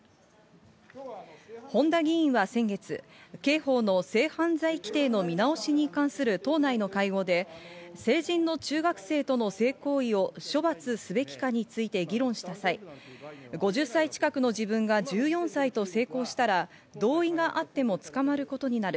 本多議員は先月、刑法の性犯罪規定の見直しに関する都内の会合で、成人の中学生との性行為を処罰すべきかについて議論した際、５０歳近くの自分が１４歳と性交したら同意があっても捕まることになる。